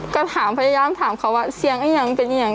ก็ถามพยายามถามเขาว่าเสียงก็ยังเป็นอย่าง